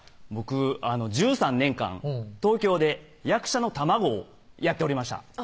僕１３年間東京で役者の卵をやっておりました